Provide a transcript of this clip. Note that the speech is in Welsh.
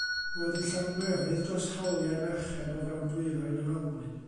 Roedd yn lladmerydd dros hawliau merched o fewn Dwyrain yr Almaen.